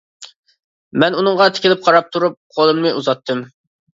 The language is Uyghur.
مەن ئۇنىڭغا تىكىلىپ قاراپ تۇرۇپ، قولۇمنى ئۇزاتتىم.